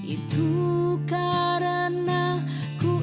itu karena ku ingin mencumbu